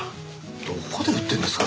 どこで売ってんですか？